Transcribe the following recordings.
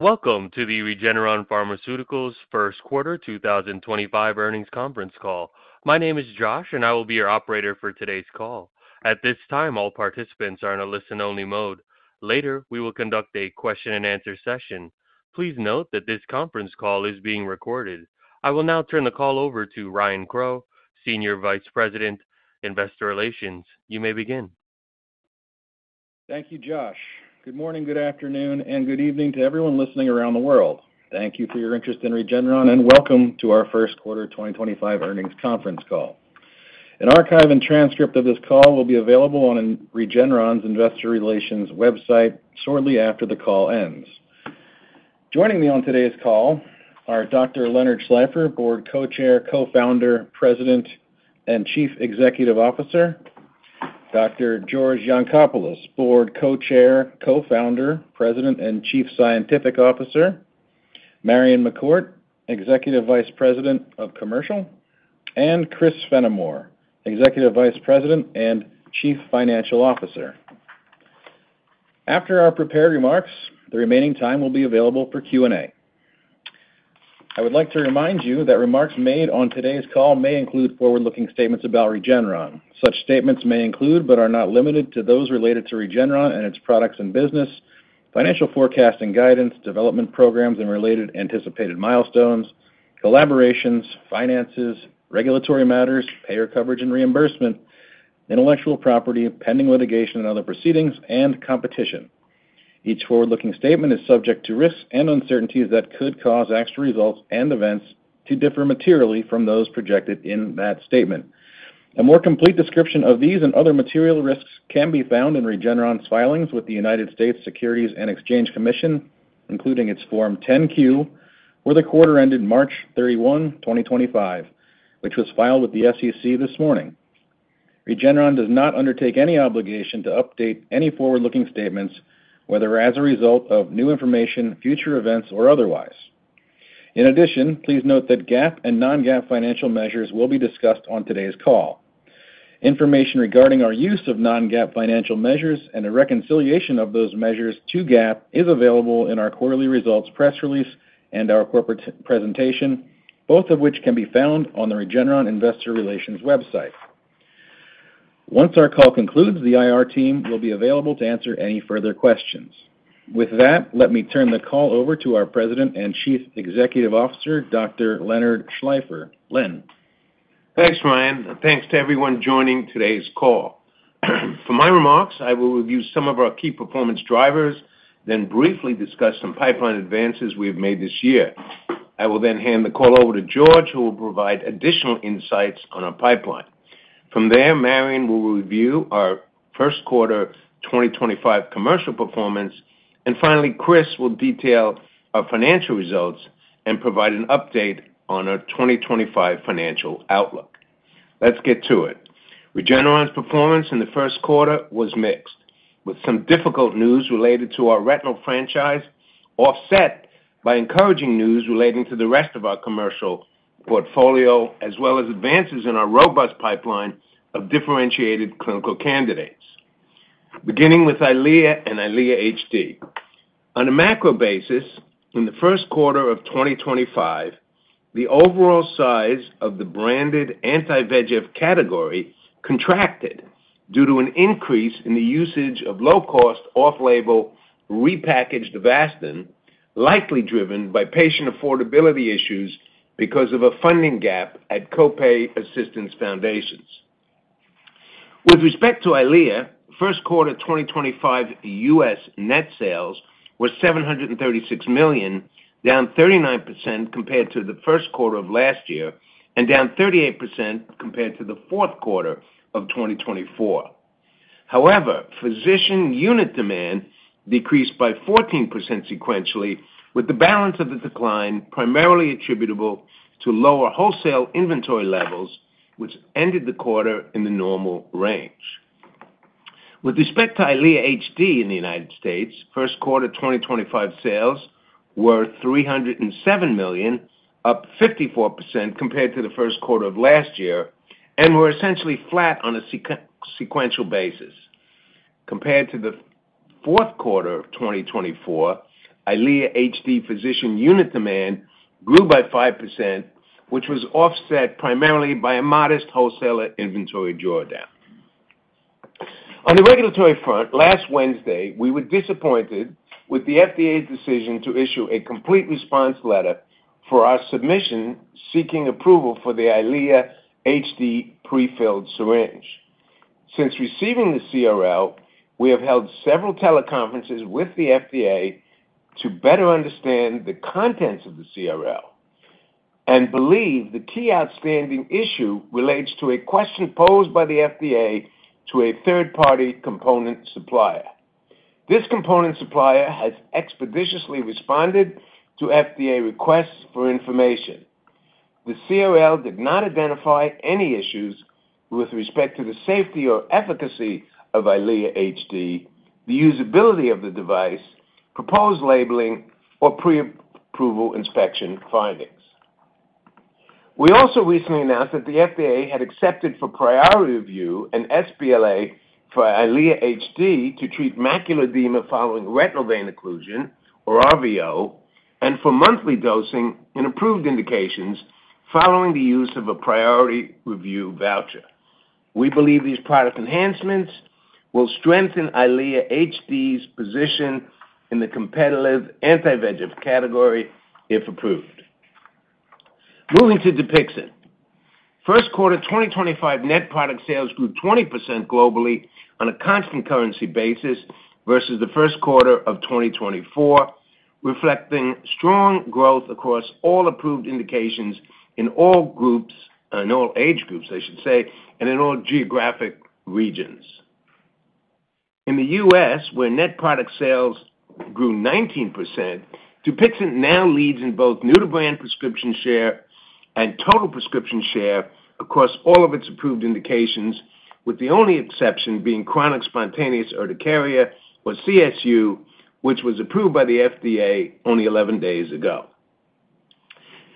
Welcome to the Regeneron Pharmaceuticals First Quarter 2025 Earnings Conference Call. My name is Josh, and I will be your operator for today's call. At this time, all participants are in a listen-only mode. Later, we will conduct a question-and-answer session. Please note that this conference call is being recorded. I will now turn the call over to Ryan Crowe, Senior Vice President, Investor Relations. You may begin. Thank you, Josh. Good morning, good afternoon, and good evening to everyone listening around the world. Thank you for your interest in Regeneron, and welcome to our First Quarter 2025 Earnings Conference Call. An archive and transcript of this call will be available on Regeneron's Investor Relations website shortly after the call ends. Joining me on today's call are Dr. Leonard Schleifer, Board Co-Chair, Co-Founder, President, and Chief Executive Officer; Dr. George Yancopoulos, Board Co-Chair, Co-Founder, President, and Chief Scientific Officer; Marion McCourt, Executive Vice President of Commercial; and Chris Fenimore, Executive Vice President and Chief Financial Officer. After our prepared remarks, the remaining time will be available for Q&A. I would like to remind you that remarks made on today's call may include forward-looking statements about Regeneron. Such statements may include, but are not limited to, those related to Regeneron and its products and business, financial forecast and guidance, development programs and related anticipated milestones, collaborations, finances, regulatory matters, payer coverage and reimbursement, intellectual property, pending litigation and other proceedings, and competition. Each forward-looking statement is subject to risks and uncertainties that could cause actual results and events to differ materially from those projected in that statement. A more complete description of these and other material risks can be found in Regeneron's filings with the U.S. Securities and Exchange Commission, including its Form 10-Q, where the quarter ended March 31, 2025, which was filed with the SEC this morning. Regeneron does not undertake any obligation to update any forward-looking statements, whether as a result of new information, future events, or otherwise. In addition, please note that GAAP and non-GAAP financial measures will be discussed on today's call. Information regarding our use of non-GAAP financial measures and the reconciliation of those measures to GAAP is available in our quarterly results press release and our corporate presentation, both of which can be found on the Regeneron Investor Relations website. Once our call concludes, the IR team will be available to answer any further questions. With that, let me turn the call over to our President and Chief Executive Officer, Dr. Leonard Schleifer. Len. Thanks, Ryan. Thanks to everyone joining today's call. For my remarks, I will review some of our key performance drivers, then briefly discuss some pipeline advances we have made this year. I will then hand the call over to George, who will provide additional insights on our pipeline. From there, Marion will review our First Quarter 2025 commercial performance, and finally, Chris will detail our financial results and provide an update on our 2025 financial outlook. Let's get to it. Regeneron's performance in the first quarter was mixed, with some difficult news related to our retinal franchise offset by encouraging news relating to the rest of our commercial portfolio, as well as advances in our robust pipeline of differentiated clinical candidates. Beginning with EYLEA and EYLEA HD. On a macro basis, in the first quarter of 2025, the overall size of the branded anti-VEGF category contracted due to an increase in the usage of low-cost off-label repackaged Avastin, likely driven by patient affordability issues because of a funding gap at Copay Assistance Foundations. With respect to EYLEA, first quarter 2025 U.S. net sales were $736 million, down 39% compared to the first quarter of last year and down 38% compared to the fourth quarter of 2024. However, physician unit demand decreased by 14% sequentially, with the balance of the decline primarily attributable to lower wholesale inventory levels, which ended the quarter in the normal range. With respect to EYLEA HD in the United States, first quarter 2025 sales were $307 million, up 54% compared to the first quarter of last year, and were essentially flat on a sequential basis. Compared to the fourth quarter of 2024, EYLEA HD physician unit demand grew by 5%, which was offset primarily by a modest wholesaler inventory drawdown. On the regulatory front, last Wednesday, we were disappointed with the FDA's decision to issue a complete response letter for our submission seeking approval for the EYLEA HD prefilled syringe. Since receiving the CRL, we have held several teleconferences with the FDA to better understand the contents of the CRL and believe the key outstanding issue relates to a question posed by the FDA to a third-party component supplier. This component supplier has expeditiously responded to FDA requests for information. The CRL did not identify any issues with respect to the safety or efficacy of EYLEA HD, the usability of the device, proposed labeling, or pre-approval inspection findings. We also recently announced that the FDA had accepted for priority review an sBLA for EYLEA HD to treat macular edema following retinal vein occlusion, or RVO, and for monthly dosing in approved indications following the use of a priority review voucher. We believe these product enhancements will strengthen EYLEA HD's position in the competitive anti-VEGF category if approved. Moving to Dupixent. First quarter 2025 net product sales grew 20% globally on a constant currency basis versus the first quarter of 2024, reflecting strong growth across all approved indications in all age groups, I should say, and in all geographic regions. In the U.S., where net product sales grew 19%, Dupixent now leads in both new-to-brand prescription share and total prescription share across all of its approved indications, with the only exception being chronic spontaneous urticaria or CSU, which was approved by the FDA only 11 days ago.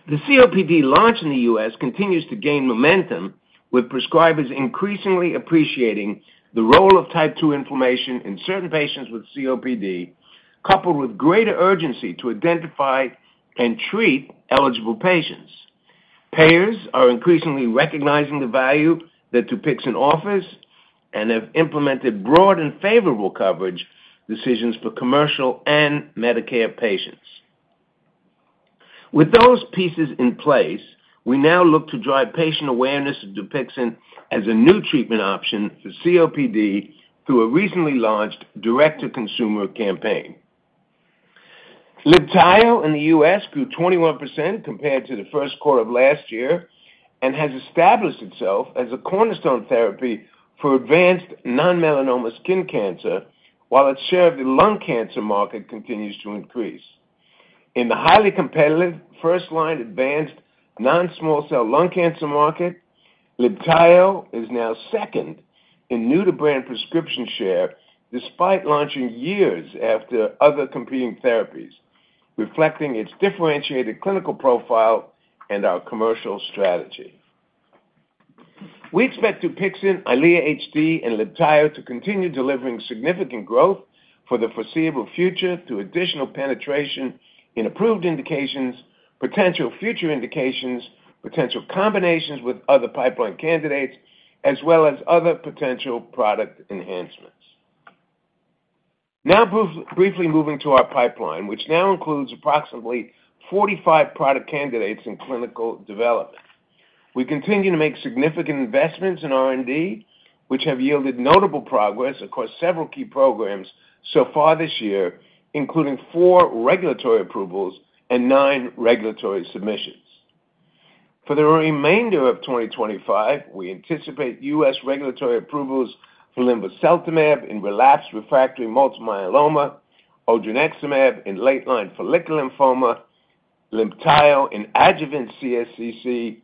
The COPD launch in the U.S. continues to gain momentum, with prescribers increasingly appreciating the role of type 2 inflammation in certain patients with COPD, coupled with greater urgency to identify and treat eligible patients. Payers are increasingly recognizing the value that Dupixent offers and have implemented broad and favorable coverage decisions for commercial and Medicare patients. With those pieces in place, we now look to drive patient awareness of Dupixent as a new treatment option for COPD through a recently launched direct-to-consumer campaign. Libtayo in the U.S. grew 21% compared to the first quarter of last year and has established itself as a cornerstone therapy for advanced non-melanoma skin cancer, while its share of the lung cancer market continues to increase. In the highly competitive first-line advanced non-small cell lung cancer market, Libtayo is now second in new-to-brand prescription share, despite launching years after other competing therapies, reflecting its differentiated clinical profile and our commercial strategy. We expect Dupixent, EYLEA HD, and Libtayo to continue delivering significant growth for the foreseeable future through additional penetration in approved indications, potential future indications, potential combinations with other pipeline candidates, as well as other potential product enhancements. Now briefly moving to our pipeline, which now includes approximately 45 product candidates in clinical development. We continue to make significant investments in R&D, which have yielded notable progress across several key programs so far this year, including four regulatory approvals and nine regulatory submissions. For the remainder of 2025, we anticipate U.S. Regulatory approvals for linvoseltamab in relapsed refractory multiple myeloma, odronextamab in late-line follicular lymphoma, Libtayo in adjuvant CSCC,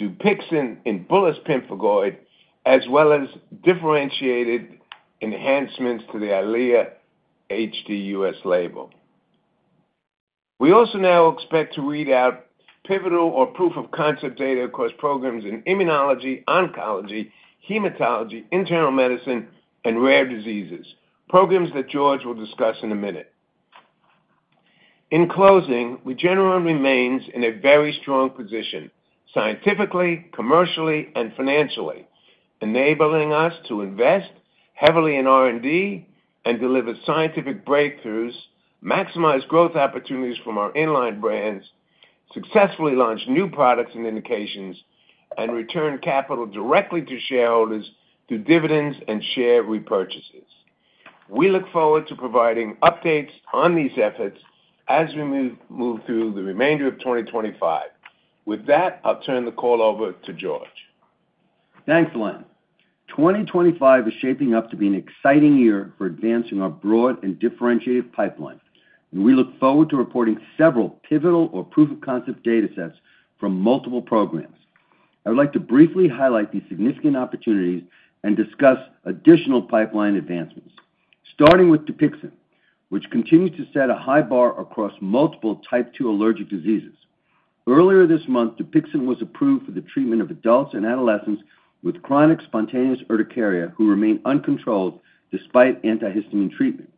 Dupixent in bullous pemphigoid, as well as differentiated enhancements to the EYLEA HD U.S. label. We also now expect to read out pivotal or proof-of-concept data across programs in immunology, oncology, hematology, internal medicine, and rare diseases, programs that George will discuss in a minute. In closing, Regeneron remains in a very strong position scientifically, commercially, and financially, enabling us to invest heavily in R&D and deliver scientific breakthroughs, maximize growth opportunities from our in-line brands, successfully launch new products and indications, and return capital directly to shareholders through dividends and share repurchases. We look forward to providing updates on these efforts as we move through the remainder of 2025. With that, I'll turn the call over to George. Thanks, Len. 2025 is shaping up to be an exciting year for advancing our broad and differentiated pipeline, and we look forward to reporting several pivotal or proof-of-concept data sets from multiple programs. I would like to briefly highlight these significant opportunities and discuss additional pipeline advancements, starting with Dupixent, which continues to set a high bar across multiple type 2 allergic diseases. Earlier this month, Dupixent was approved for the treatment of adults and adolescents with chronic spontaneous urticaria who remain uncontrolled despite antihistamine treatment.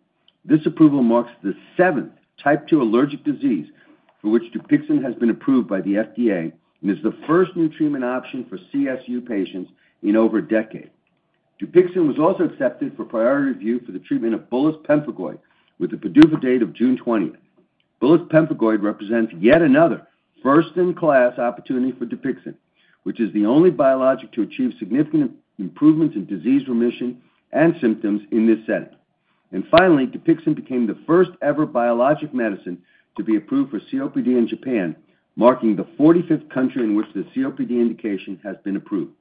This approval marks the seventh type 2 allergic disease for which Dupixent has been approved by the FDA and is the first new treatment option for CSU patients in over a decade. Dupixent was also accepted for priority review for the treatment of bullous pemphigoid with a PDUFA date of June 20th. Bullous pemphigoid represents yet another first-in-class opportunity for Dupixent, which is the only biologic to achieve significant improvements in disease remission and symptoms in this setting. Finally, Dupixent became the first-ever biologic medicine to be approved for COPD in Japan, marking the 45th country in which the COPD indication has been approved.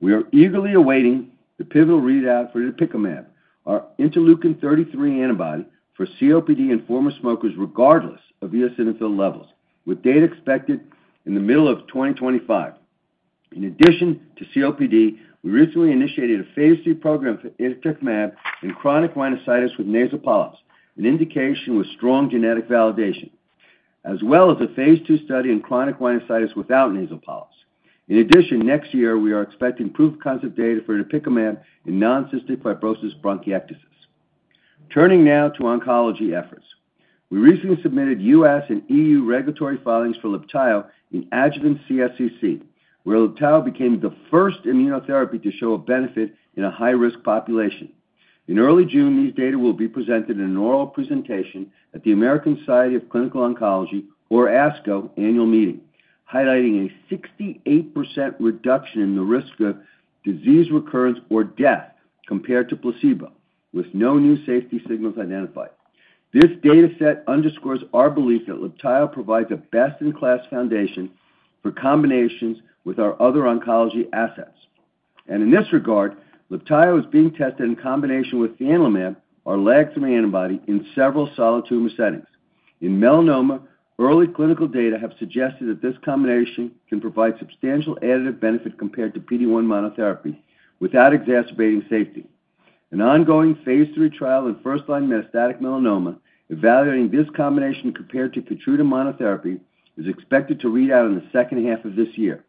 We are eagerly awaiting the pivotal readout for itepekimab, our interleukin-33 antibody for COPD and former smokers, regardless of eosinophil levels, with data expected in the middle of 2025. In addition to COPD, we recently initiated a phase III program for itepekimab in chronic rhinosinusitis with nasal polyps, an indication with strong genetic validation, as well as a phase II study in chronic rhinosinusitis without nasal polyps. In addition, next year, we are expecting proof-of-concept data for itepekimab in non-cystic fibrosis bronchiectasis. Turning now to oncology efforts, we recently submitted U.S. and EU regulatory filings for Libtayo in adjuvant CSCC, where Libtayo became the first immunotherapy to show a benefit in a high-risk population. In early June, these data will be presented in an oral presentation at the American Society of Clinical Oncology, or ASCO, annual meeting, highlighting a 68% reduction in the risk of disease recurrence or death compared to placebo, with no new safety signals identified. This data set underscores our belief that Libtayo provides a best-in-class foundation for combinations with our other oncology assets. In this regard, Libtayo is being tested in combination with fianlimab, our LAG-3 antibody, in several solid tumor settings. In melanoma, early clinical data have suggested that this combination can provide substantial additive benefit compared to PD-1 monotherapy without exacerbating safety. An ongoing phase III trial in first-line metastatic melanoma evaluating this combination compared to Keytruda monotherapy is expected to read out in the second half of this year.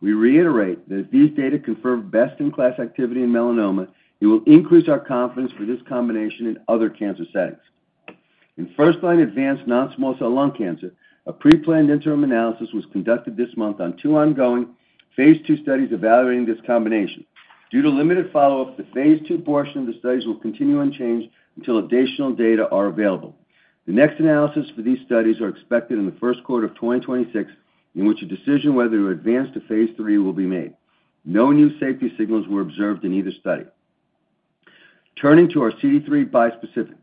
We reiterate that if these data confirm best-in-class activity in melanoma, it will increase our confidence for this combination in other cancer settings. In first-line advanced non-small cell lung cancer, a pre-planned interim analysis was conducted this month on two ongoing phase II studies evaluating this combination. Due to limited follow-up, the phase II portion of the studies will continue unchanged until additional data are available. The next analysis for these studies is expected in the first quarter of 2026, in which a decision whether to advance to phase III will be made. No new safety signals were observed in either study. Turning to our CD3 bispecifics,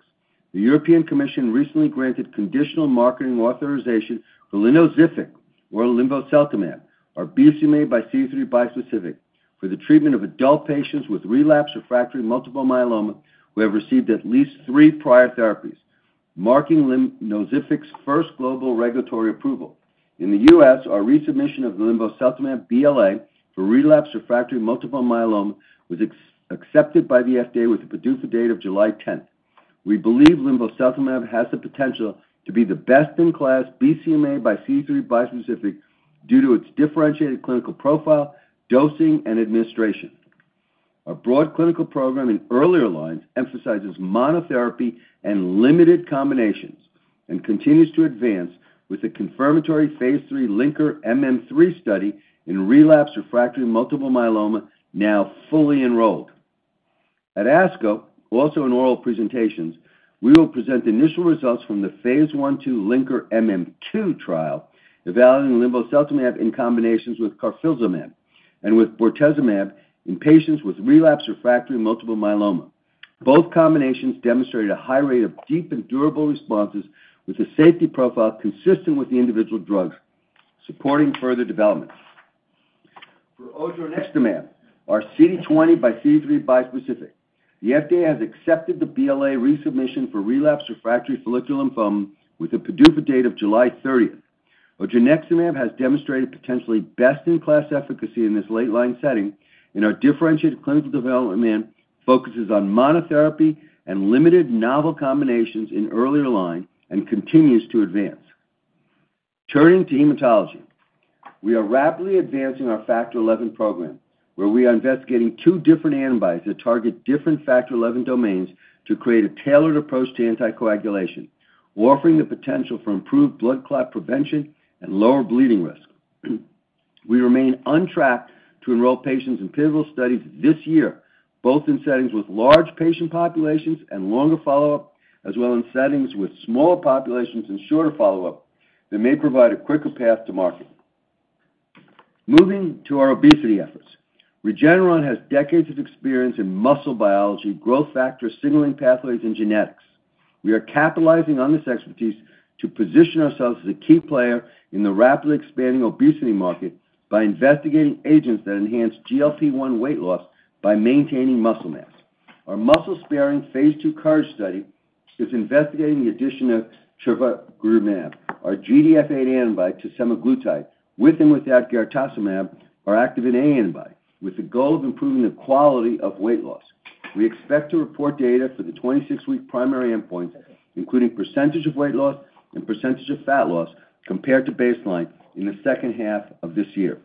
the European Commission recently granted conditional marketing authorization for linvoseltamab, our BCMA x CD3 bispecific, for the treatment of adult patients with relapsed refractory multiple myeloma who have received at least three prior therapies, marking linvoseltamab's first global regulatory approval. In the U.S., our resubmission of the linvoseltamab BLA for relapsed refractory multiple myeloma was accepted by the FDA with a PDUFA date of July 10th. We believe linvoseltamab has the potential to be the best-in-class BCMA x CD3 bispecific due to its differentiated clinical profile, dosing, and administration. Our broad clinical program in earlier lines emphasizes monotherapy and limited combinations and continues to advance with the confirmatory phase III LINKER-MM3 study in relapsed refractory multiple myeloma now fully enrolled. At ASCO, also in oral presentations, we will present initial results from the phase I-II LINKER-MM2 trial evaluating linvoseltamab in combinations with carfilzomib and with bortezomib in patients with relapsed refractory multiple myeloma. Both combinations demonstrated a high rate of deep and durable responses with a safety profile consistent with the individual drugs, supporting further development. For odronextamab, our CD20 x CD3 bispecific, the FDA has accepted the BLA resubmission for relapsed refractory follicular lymphoma with a PDUFA date of July 30th. Odronextamab has demonstrated potentially best-in-class efficacy in this late-line setting, and our differentiated clinical development focuses on monotherapy and limited novel combinations in earlier lines and continues to advance. Turning to hematology, we are rapidly advancing our Factor XI program, where we are investigating two different antibodies that target different Factor XI domains to create a tailored approach to anticoagulation, offering the potential for improved blood clot prevention and lower bleeding risk. We remain on track to enroll patients in pivotal studies this year, both in settings with large patient populations and longer follow-up, as well as in settings with smaller populations and shorter follow-up that may provide a quicker path to market. Moving to our obesity efforts, Regeneron has decades of experience in muscle biology, growth factors, signaling pathways, and genetics. We are capitalizing on this expertise to position ourselves as a key player in the rapidly expanding obesity market by investigating agents that enhance GLP-1 weight loss by maintaining muscle mass. Our muscle-sparing phase II COURAGE study is investigating the addition of trevogrumab, our GDF-8 antibody, to semaglutide with and without garetosmab, our activin A antibody, with the goal of improving the quality of weight loss. We expect to report data for the 26-week primary endpoints, including percentage of weight loss and percentage of fat loss compared to baseline in the second half of this year.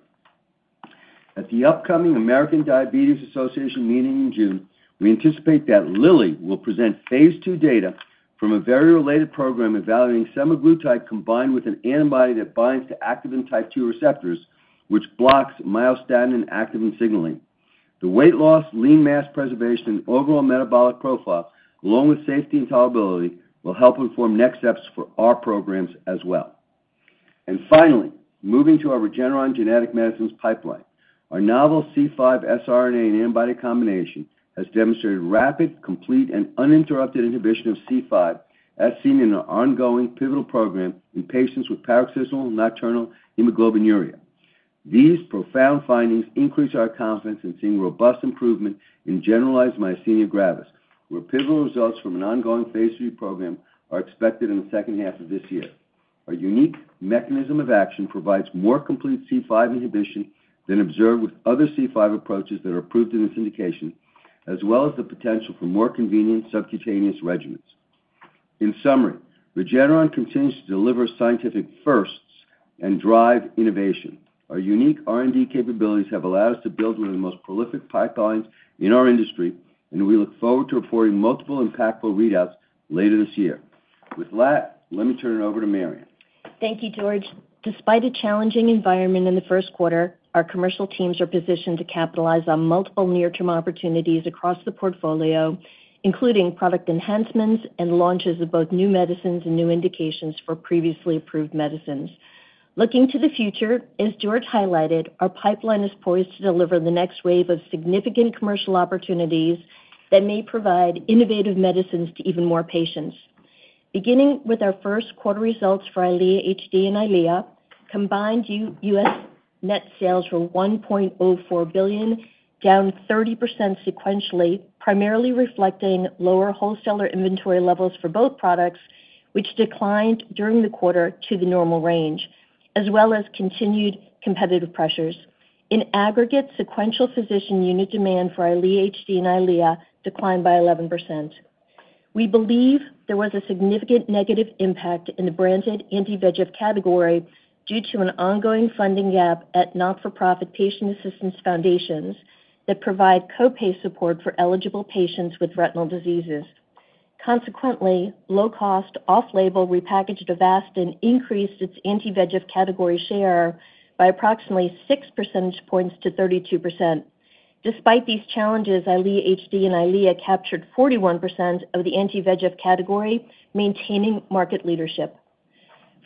At the upcoming American Diabetes Association meeting in June, we anticipate that Lilly will present phase II data from a very related program evaluating semaglutide combined with an antibody that binds to activin type II receptors, which blocks myostatin and activin signaling. The weight loss, lean mass preservation, and overall metabolic profile, along with safety and tolerability, will help inform next steps for our programs as well. Finally, moving to our Regeneron genetic medicines pipeline, our novel C5 sRNA and antibody combination has demonstrated rapid, complete, and uninterrupted inhibition of C5, as seen in our ongoing pivotal program in patients with paroxysmal nocturnal hemoglobinuria. These profound findings increase our confidence in seeing robust improvement in generalized myasthenia gravis, where pivotal results from an ongoing phase III program are expected in the second half of this year. Our unique mechanism of action provides more complete C5 inhibition than observed with other C5 approaches that are approved in this indication, as well as the potential for more convenient subcutaneous regimens. In summary, Regeneron continues to deliver scientific firsts and drive innovation. Our unique R&D capabilities have allowed us to build one of the most prolific pipelines in our industry, and we look forward to reporting multiple impactful readouts later this year. With that, let me turn it over to Marion. Thank you, George. Despite a challenging environment in the first quarter, our commercial teams are positioned to capitalize on multiple near-term opportunities across the portfolio, including product enhancements and launches of both new medicines and new indications for previously approved medicines. Looking to the future, as George highlighted, our pipeline is poised to deliver the next wave of significant commercial opportunities that may provide innovative medicines to even more patients. Beginning with our first quarter results for EYLEA HD and EYLEA, combined U.S. net sales were $1.04 billion, down 30% sequentially, primarily reflecting lower wholesaler inventory levels for both products, which declined during the quarter to the normal range, as well as continued competitive pressures. In aggregate, sequential physician unit demand for EYLEA HD and EYLEA declined by 11%. We believe there was a significant negative impact in the branded anti-VEGF category due to an ongoing funding gap at not-for-profit patient assistance foundations that provide copay support for eligible patients with retinal diseases. Consequently, low-cost off-label repackaged Avastin increased its anti-VEGF category share by approximately 6 percentage points to 32%. Despite these challenges, EYLEA HD and EYLEA captured 41% of the anti-VEGF category, maintaining market leadership.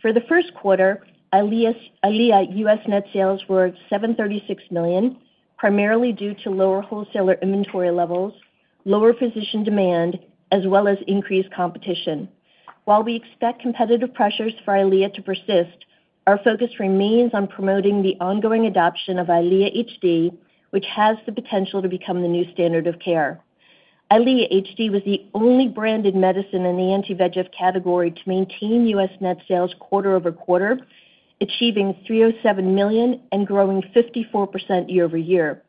For the first quarter, EYLEA U.S. net sales were $736 million, primarily due to lower wholesaler inventory levels, lower physician demand, as well as increased competition. While we expect competitive pressures for EYLEA to persist, our focus remains on promoting the ongoing adoption of EYLEA HD, which has the potential to become the new standard of care. EYLEA HD was the only branded medicine in the anti-VEGF category to maintain U.S. Net sales quarter over quarter, achieving $307 million and growing 54% year-over-year.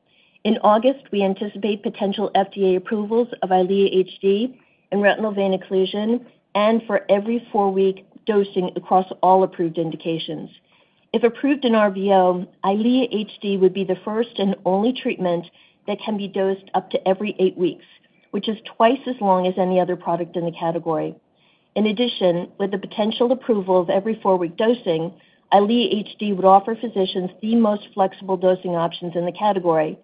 In August, we anticipate potential FDA approvals of EYLEA HD in retinal vein occlusion and for every four-week dosing across all approved indications. If approved in RVO, EYLEA HD would be the first and only treatment that can be dosed up to every eight weeks, which is twice as long as any other product in the category. In addition, with the potential approval of every four-week dosing, EYLEA HD would offer physicians the most flexible dosing options in the category.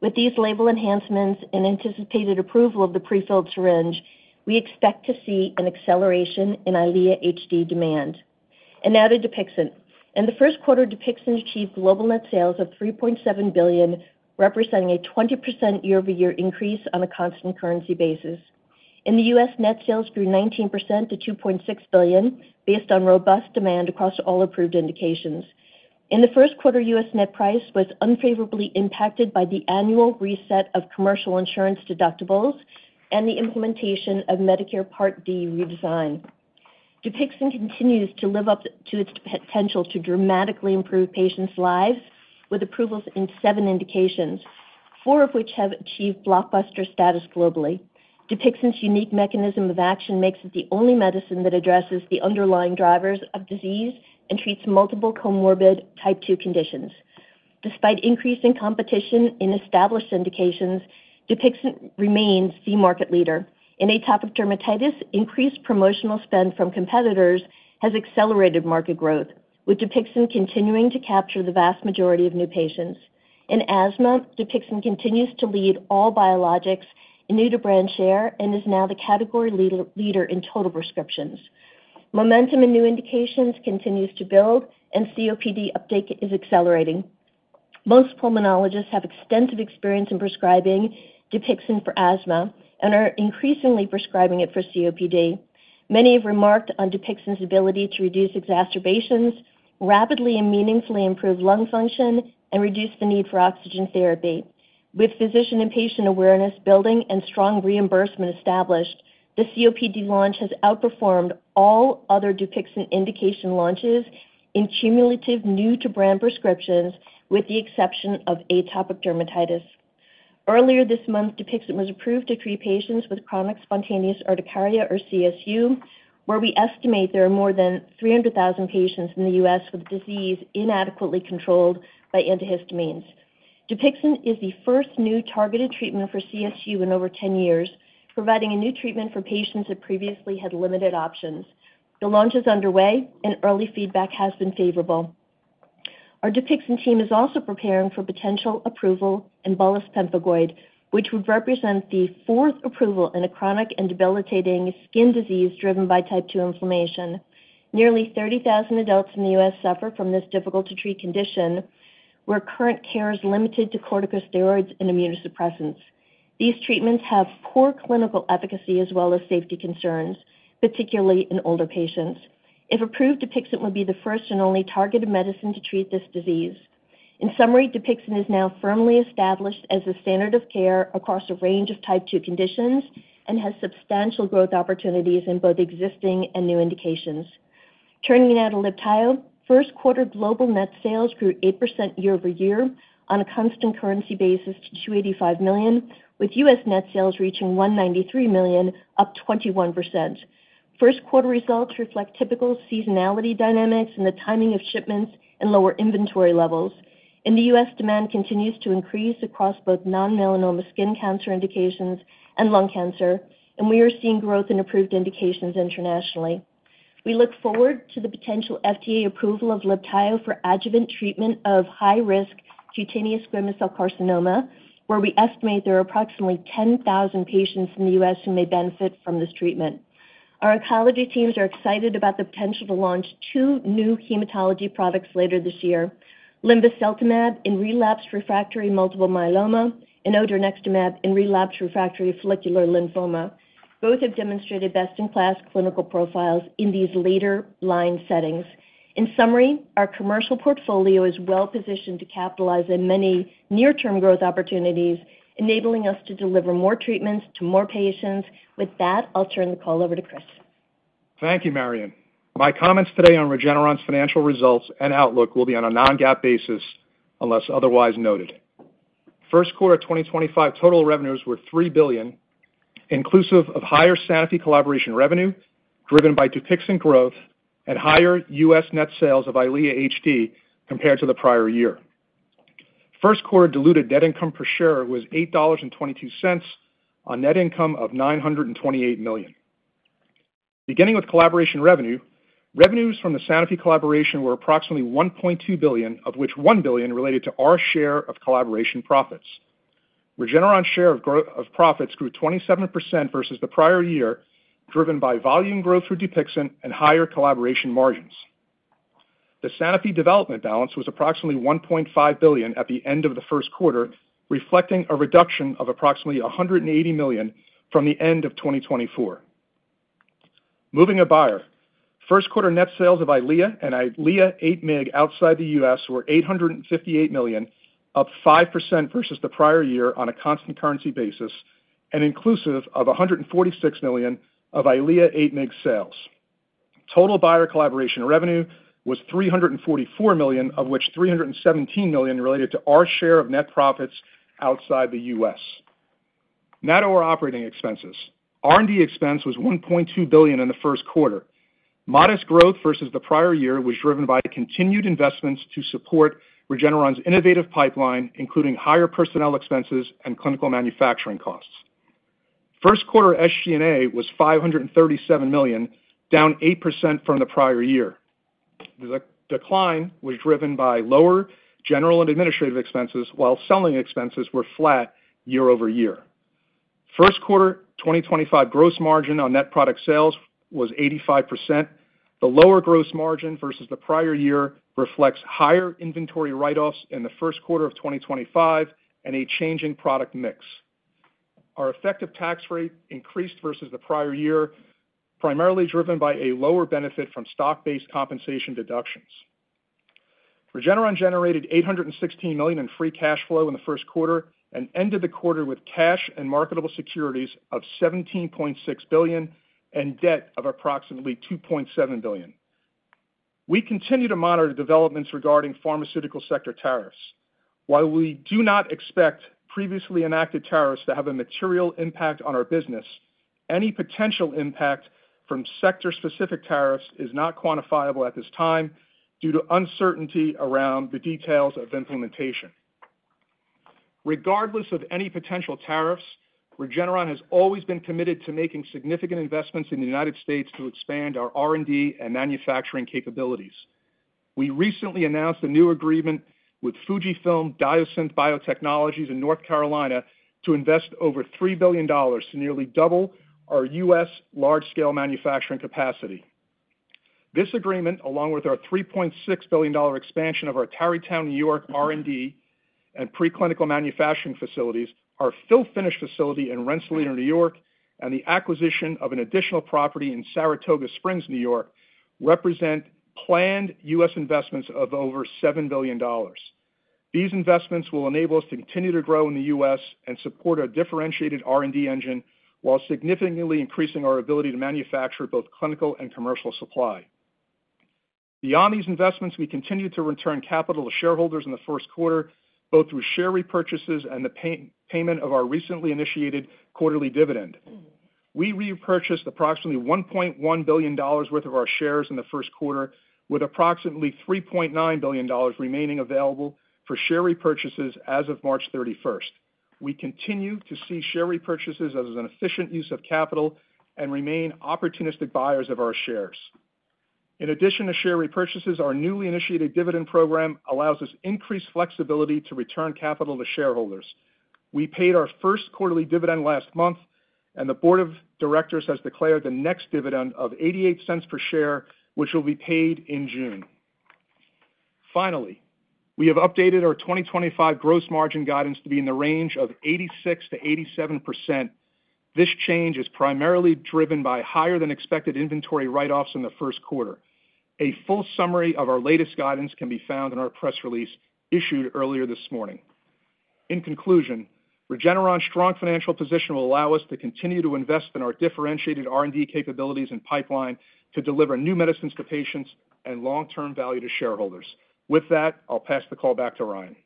With these label enhancements and anticipated approval of the prefilled syringe, we expect to see an acceleration in EYLEA HD demand. Now to Dupixent. In the first quarter, Dupixent achieved global net sales of $3.7 billion, representing a 20% year-over-year increase on a constant currency basis. In the U.S., net sales grew 19% to $2.6 billion, based on robust demand across all approved indications. In the first quarter, U.S. net price was unfavorably impacted by the annual reset of commercial insurance deductibles and the implementation of Medicare Part D redesign. Dupixent continues to live up to its potential to dramatically improve patients' lives with approvals in seven indications, four of which have achieved blockbuster status globally. Dupixent's unique mechanism of action makes it the only medicine that addresses the underlying drivers of disease and treats multiple comorbid type 2 conditions. Despite increasing competition in established indications, Dupixent remains the market leader. In atopic dermatitis, increased promotional spend from competitors has accelerated market growth, with Dupixent continuing to capture the vast majority of new patients. In asthma, Dupixent continues to lead all biologics in new-to-brand share and is now the category leader in total prescriptions. Momentum in new indications continues to build, and COPD uptake is accelerating. Most pulmonologists have extensive experience in prescribing Dupixent for asthma and are increasingly prescribing it for COPD. Many have remarked on Dupixent's ability to reduce exacerbations, rapidly and meaningfully improve lung function, and reduce the need for oxygen therapy. With physician and patient awareness building and strong reimbursement established, the COPD launch has outperformed all other Dupixent indication launches in cumulative new-to-brand prescriptions, with the exception of atopic dermatitis. Earlier this month, Dupixent was approved to treat patients with chronic spontaneous urticaria or CSU, where we estimate there are more than 300,000 patients in the U.S. with the disease inadequately controlled by antihistamines. Dupixent is the first new targeted treatment for CSU in over 10 years, providing a new treatment for patients that previously had limited options. The launch is underway, and early feedback has been favorable. Our Dupixent team is also preparing for potential approval in bullous pemphigoid, which would represent the fourth approval in a chronic and debilitating skin disease driven by type 2 inflammation. Nearly 30,000 adults in the U.S. suffer from this difficult-to-treat condition, where current care is limited to corticosteroids and immunosuppressants. These treatments have poor clinical efficacy as well as safety concerns, particularly in older patients. If approved, Dupixent would be the first and only targeted medicine to treat this disease. In summary, Dupixent is now firmly established as a standard of care across a range of type 2 conditions and has substantial growth opportunities in both existing and new indications. Turning now to Libtayo, first quarter global net sales grew 8% year-over-year on a constant currency basis to $285 million, with U.S. net sales reaching $193 million, up 21%. First quarter results reflect typical seasonality dynamics in the timing of shipments and lower inventory levels. In the U.S., demand continues to increase across both non-melanoma skin cancer indications and lung cancer, and we are seeing growth in approved indications internationally. We look forward to the potential FDA approval of Libtayo for adjuvant treatment of high-risk cutaneous squamous cell carcinoma, where we estimate there are approximately 10,000 patients in the U.S. who may benefit from this treatment. Our oncology teams are excited about the potential to launch two new hematology products later this year: linvoseltamab in relapsed refractory multiple myeloma and odronextamab in relapsed refractory follicular lymphoma. Both have demonstrated best-in-class clinical profiles in these later-line settings. In summary, our commercial portfolio is well-positioned to capitalize on many near-term growth opportunities, enabling us to deliver more treatments to more patients. With that, I'll turn the call over to Chris. Thank you, Marion. My comments today on Regeneron's financial results and outlook will be on a non-GAAP basis, unless otherwise noted. First quarter 2025 total revenues were $3 billion, inclusive of higher Sanofi collaboration revenue driven by Dupixent growth and higher U.S. net sales of EYLEA HD compared to the prior year. First quarter diluted net income per share was $8.22 on net income of $928 million. Beginning with collaboration revenue, revenues from the Sanofi collaboration were approximately $1.2 billion, of which $1 billion related to our share of collaboration profits. Regeneron's share of profits grew 27% versus the prior year, driven by volume growth through Dupixent and higher collaboration margins. The Sanofi development balance was approximately $1.5 billion at the end of the first quarter, reflecting a reduction of approximately $180 million from the end of 2024. Moving to Bayer, first quarter net sales of EYLEA and EYLEA HD outside the U.S. were $858 million, up 5% versus the prior year on a constant currency basis, and inclusive of $146 million of EYLEA HD sales. Total Bayer collaboration revenue was $344 million, of which $317 million related to our share of net profits outside the U.S. Now to our operating expenses. R&D expense was $1.2 billion in the first quarter. Modest growth versus the prior year was driven by continued investments to support Regeneron's innovative pipeline, including higher personnel expenses and clinical manufacturing costs. First quarter SG&A was $537 million, down 8% from the prior year. The decline was driven by lower general and administrative expenses, while selling expenses were flat year-over-year. First quarter 2025 gross margin on net product sales was 85%. The lower gross margin versus the prior year reflects higher inventory write-offs in the first quarter of 2025 and a changing product mix. Our effective tax rate increased versus the prior year, primarily driven by a lower benefit from stock-based compensation deductions. Regeneron generated $816 million in free cash flow in the first quarter and ended the quarter with cash and marketable securities of $17.6 billion and debt of approximately $2.7 billion. We continue to monitor developments regarding pharmaceutical sector tariffs. While we do not expect previously enacted tariffs to have a material impact on our business, any potential impact from sector-specific tariffs is not quantifiable at this time due to uncertainty around the details of implementation. Regardless of any potential tariffs, Regeneron has always been committed to making significant investments in the United States to expand our R&D and manufacturing capabilities. We recently announced a new agreement with FUJIFILM Diosynth Biotechnologies in North Carolina to invest over $3 billion to nearly double our U.S. large-scale manufacturing capacity. This agreement, along with our $3.6 billion expansion of our Tarrytown, New York R&D and preclinical manufacturing facilities, our fill finish facility in Rensselaer, New York, and the acquisition of an additional property in Saratoga Springs, New York, represent planned U.S. investments of over $7 billion. These investments will enable us to continue to grow in the U.S. and support a differentiated R&D engine while significantly increasing our ability to manufacture both clinical and commercial supply. Beyond these investments, we continue to return capital to shareholders in the first quarter, both through share repurchases and the payment of our recently initiated quarterly dividend. We repurchased approximately $1.1 billion worth of our shares in the first quarter, with approximately $3.9 billion remaining available for share repurchases as of March 31st. We continue to see share repurchases as an efficient use of capital and remain opportunistic buyers of our shares. In addition to share repurchases, our newly initiated dividend program allows us increased flexibility to return capital to shareholders. We paid our first quarterly dividend last month, and the Board of Directors has declared the next dividend of $0.88 per share, which will be paid in June. Finally, we have updated our 2025 gross margin guidance to be in the range of 86%-87%. This change is primarily driven by higher-than-expected inventory write-offs in the first quarter. A full summary of our latest guidance can be found in our press release issued earlier this morning. In conclusion, Regeneron's strong financial position will allow us to continue to invest in our differentiated R&D capabilities and pipeline to deliver new medicines to patients and long-term value to shareholders. With that, I'll pass the call back to Ryan.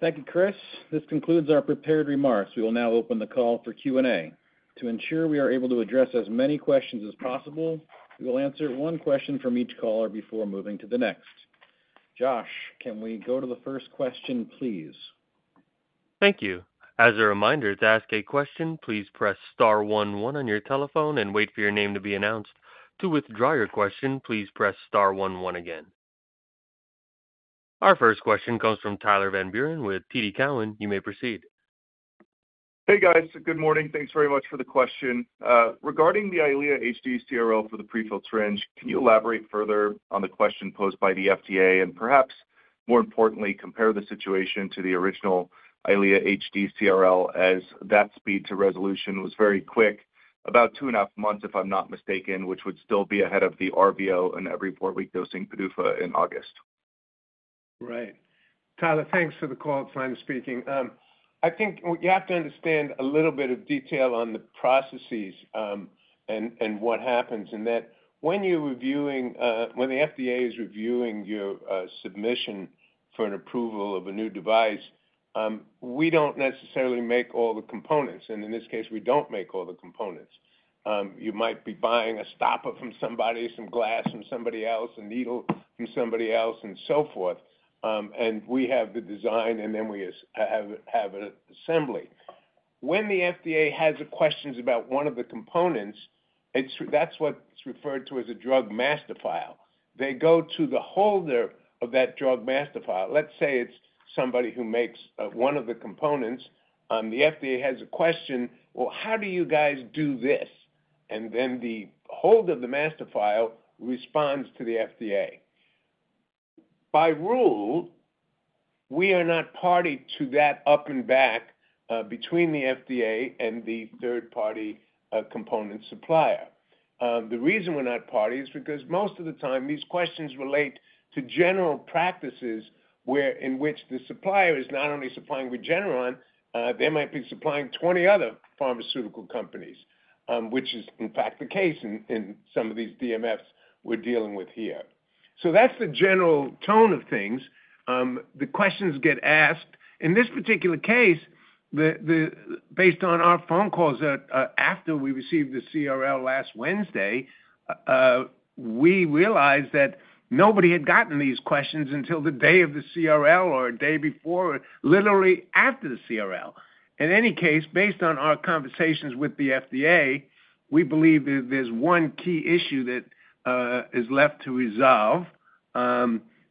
Thank you, Chris. This concludes our prepared remarks. We will now open the call for Q&A. To ensure we are able to address as many questions as possible, we will answer one question from each caller before moving to the next. Josh, can we go to the first question, please? Thank you. As a reminder, to ask a question, please press star one one on your telephone and wait for your name to be announced. To withdraw your question, please press star one one again. Our first question comes from Tyler Van Buren with TD Cowan. You may proceed. Hey, guys. Good morning. Thanks very much for the question. Regarding the EYLEA HD CRL for the prefilled syringe, can you elaborate further on the question posed by the FDA and perhaps, more importantly, compare the situation to the original EYLEA HD CRL, as that speed to resolution was very quick, about two and a half months, if I'm not mistaken, which would still be ahead of the RVO and every four-week dosing PDUFA in August? Right. Tyler, thanks for the call. It's Len speaking. I think you have to understand a little bit of detail on the processes and what happens in that when you're reviewing, when the FDA is reviewing your submission for an approval of a new device, we don't necessarily make all the components. In this case, we don't make all the components. You might be buying a stopper from somebody, some glass from somebody else, a needle from somebody else, and so forth. We have the design, and then we have an assembly. When the FDA has questions about one of the components, that's what's referred to as a drug master file. They go to the holder of that drug master file. Let's say it's somebody who makes one of the components. The FDA has a question, "Well, how do you guys do this?" and then the holder of the master file responds to the FDA. By rule, we are not party to that up and back between the FDA and the third-party component supplier. The reason we're not party is because most of the time these questions relate to general practices in which the supplier is not only supplying Regeneron, they might be supplying 20 other pharmaceutical companies, which is, in fact, the case in some of these DMFs we're dealing with here. That is the general tone of things. The questions get asked. In this particular case, based on our phone calls after we received the CRL last Wednesday, we realized that nobody had gotten these questions until the day of the CRL or a day before, literally after the CRL. In any case, based on our conversations with the FDA, we believe that there's one key issue that is left to resolve. There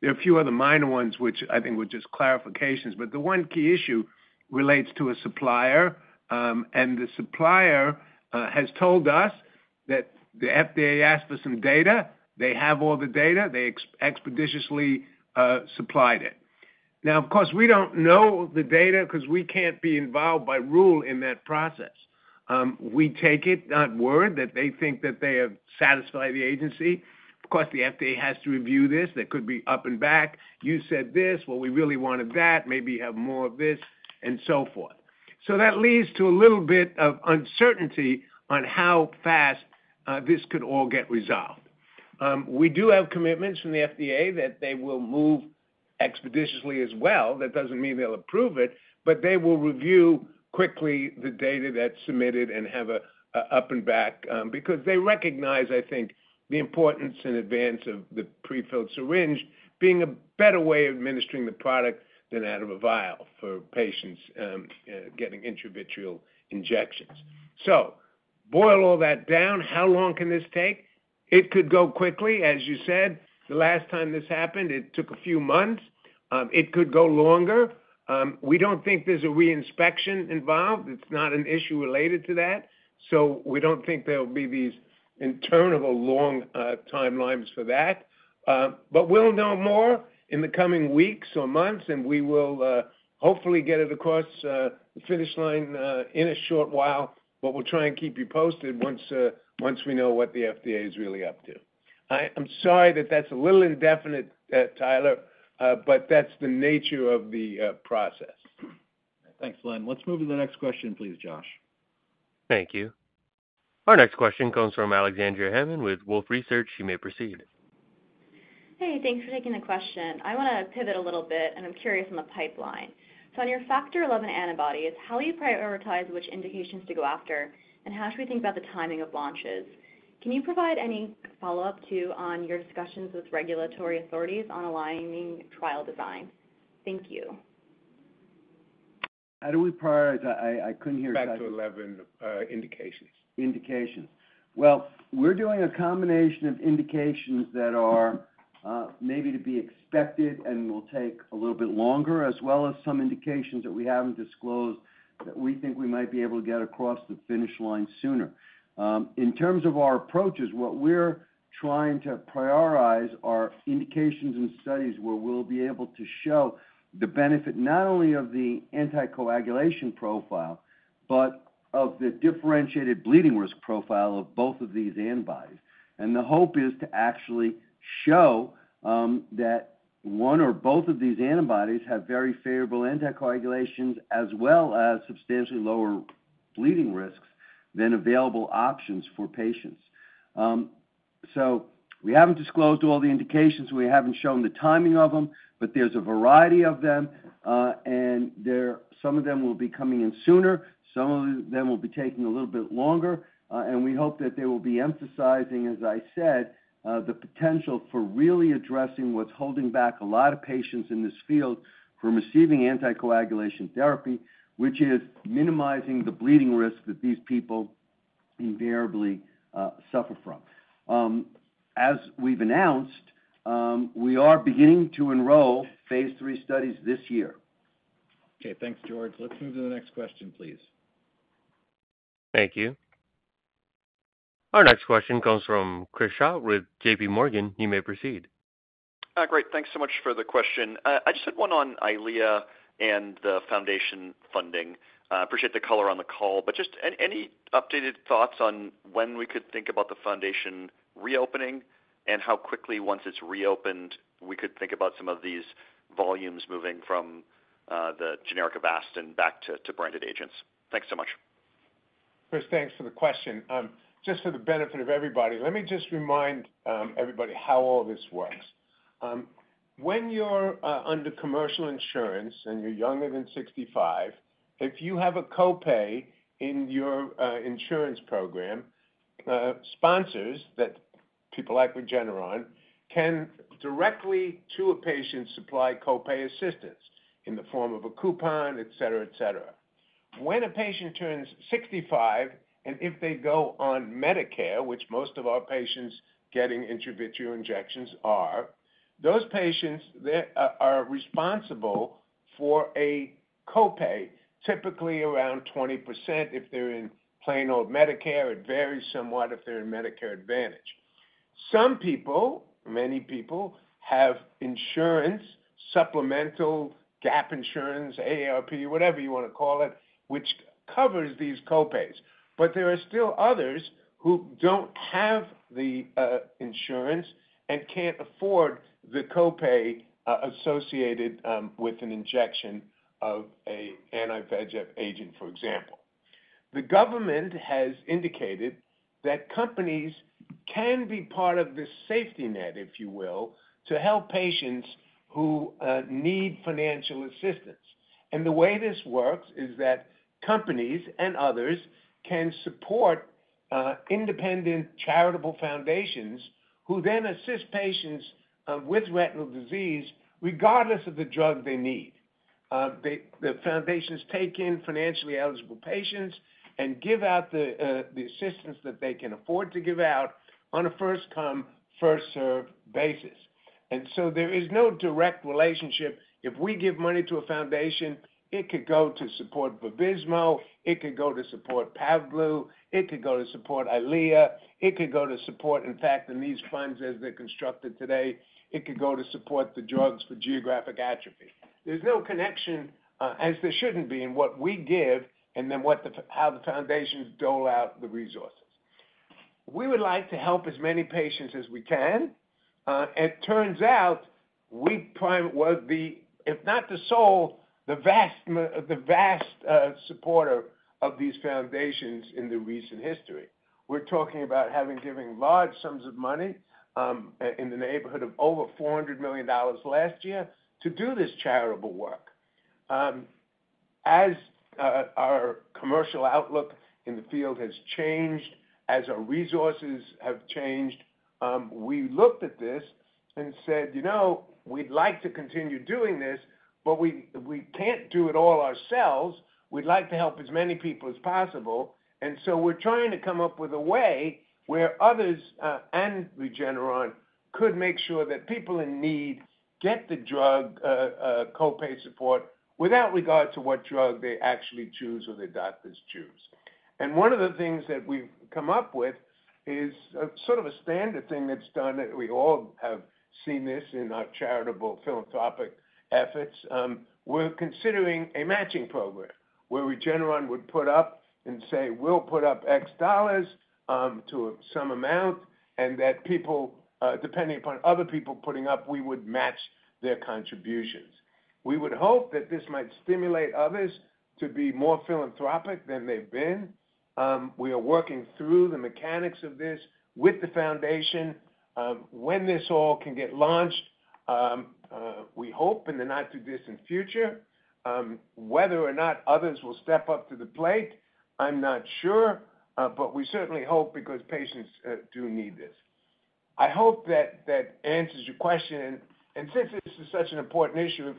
are a few other minor ones, which I think were just clarifications. The one key issue relates to a supplier. The supplier has told us that the FDA asked for some data. They have all the data. They expeditiously supplied it. Now, of course, we don't know the data because we can't be involved by rule in that process. We take it, not worried, that they think that they have satisfied the agency. Of course, the FDA has to review this. There could be up and back. You said this. We really wanted that. Maybe you have more of this, and so forth. That leads to a little bit of uncertainty on how fast this could all get resolved. We do have commitments from the FDA that they will move expeditiously as well. That does not mean they will approve it, but they will review quickly the data that is submitted and have an up and back because they recognize, I think, the importance in advance of the prefilled syringe being a better way of administering the product than out of a vial for patients getting intravitreal injections. To boil all that down, how long can this take? It could go quickly, as you said. The last time this happened, it took a few months. It could go longer. We do not think there is a reinspection involved. It is not an issue related to that. We do not think there will be these internal long timelines for that. We will know more in the coming weeks or months, and we will hopefully get it across the finish line in a short while. We will try and keep you posted once we know what the FDA is really up to. I'm sorry that that's a little indefinite, Tyler, but that's the nature of the process. Thanks, Len. Let's move to the next question, please, Josh. Thank you. Our next question comes from Alexandria Hammond with Wolfe Research. You may proceed. Hey, thanks for taking the question. I want to pivot a little bit, and I'm curious on the pipeline. On your Factor XI antibodies, how do you prioritize which indications to go after, and how should we think about the timing of launches? Can you provide any follow-up too on your discussions with regulatory authorities on aligning trial design? Thank you. How do we prioritize? I could not hear exactly. Factor XI indications. We're doing a combination of indications that are maybe to be expected and will take a little bit longer, as well as some indications that we haven't disclosed that we think we might be able to get across the finish line sooner. In terms of our approaches, what we're trying to prioritize are indications and studies where we'll be able to show the benefit not only of the anticoagulation profile, but of the differentiated bleeding risk profile of both of these antibodies. The hope is to actually show that one or both of these antibodies have very favorable anticoagulations as well as substantially lower bleeding risks than available options for patients. We haven't disclosed all the indications. We haven't shown the timing of them, but there's a variety of them. Some of them will be coming in sooner. Some of them will be taking a little bit longer. We hope that they will be emphasizing, as I said, the potential for really addressing what's holding back a lot of patients in this field from receiving anticoagulation therapy, which is minimizing the bleeding risk that these people invariably suffer from. As we've announced, we are beginning to enroll phase III studies this year. Okay. Thanks, George. Let's move to the next question, please. Thank you. Our next question comes from Chris Shaw with J.P. Morgan. You may proceed. Hi, great. Thanks so much for the question. I just had one on EYLEA and the foundation funding. I appreciate the color on the call. Just any updated thoughts on when we could think about the foundation reopening and how quickly, once it's reopened, we could think about some of these volumes moving from the generic Avastin back to branded agents? Thanks so much. Chris, thanks for the question. Just for the benefit of everybody, let me just remind everybody how all this works. When you're under commercial insurance and you're younger than 65, if you have a copay in your insurance program, sponsors that people like Regeneron can directly to a patient supply copay assistance in the form of a coupon, etc., etc. When a patient turns 65, and if they go on Medicare, which most of our patients getting intravitreal injections are, those patients, they are responsible for a copay, typically around 20% if they're in plain old Medicare. It varies somewhat if they're in Medicare Advantage. Some people, many people, have insurance, supplemental gap insurance, AARP, whatever you want to call it, which covers these copays. There are still others who don't have the insurance and can't afford the copay associated with an injection of an anti-VEGF agent, for example. The government has indicated that companies can be part of the safety net, if you will, to help patients who need financial assistance. The way this works is that companies and others can support independent charitable foundations who then assist patients with retinal disease regardless of the drug they need. The foundations take in financially eligible patients and give out the assistance that they can afford to give out on a first-come, first-serve basis. There is no direct relationship. If we give money to a foundation, it could go to support VABYSMO. It could go to support PAVBLU. It could go to support EYLEA. It could go to support, in fact, in these funds as they're constructed today. It could go to support the drugs for geographic atrophy. There's no connection, as there shouldn't be, in what we give and then how the foundations dole out the resources. We would like to help as many patients as we can. It turns out we were the, if not the sole, the vast supporter of these foundations in the recent history. We're talking about having given large sums of money in the neighborhood of over $400 million last year to do this charitable work. As our commercial outlook in the field has changed, as our resources have changed, we looked at this and said, "You know, we'd like to continue doing this, but we can't do it all ourselves. We'd like to help as many people as possible. We are trying to come up with a way where others and Regeneron could make sure that people in need get the drug copay support without regard to what drug they actually choose or their doctors choose. One of the things that we've come up with is sort of a standard thing that's done that we all have seen in our charitable philanthropic efforts. We are considering a matching program where Regeneron would put up and say, "We'll put up X dollars to some amount," and that people, depending upon other people putting up, we would match their contributions. We would hope that this might stimulate others to be more philanthropic than they've been. We are working through the mechanics of this with the foundation. When this all can get launched, we hope in the not-too-distant future. Whether or not others will step up to the plate, I'm not sure, but we certainly hope because patients do need this. I hope that answers your question. Since this is such an important issue,